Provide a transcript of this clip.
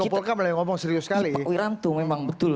pak wiranto memang betul